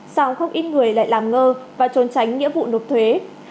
sao không ít người lại làm ngơ và trốn tránh nghĩa vụ nộp thuế